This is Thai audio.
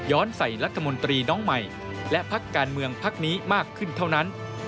ใส่รัฐมนตรีน้องใหม่และพักการเมืองพักนี้มากขึ้นเท่านั้น